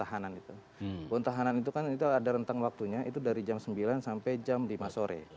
pertama itu adalah bontahanan bontahanan itu kan ada rentang waktunya itu dari jam sembilan sampai jam lima sore